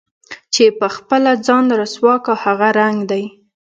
چې په خپله ځان رسوا كا هغه رنګ دے